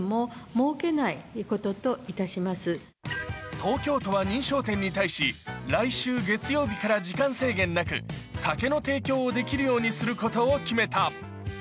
東京都は認証店に対し来週月曜日から時間制限なく酒の提供をできるようにすることを決めた。